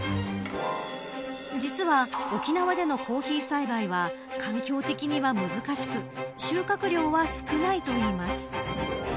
実は、沖縄でのコーヒー栽培は環境的には難しく収穫量は少ないといいます。